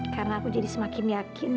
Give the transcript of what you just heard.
karena aku jadi semakin yakin